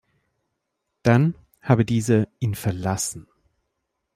Dann habe diese „ihn verlassen“.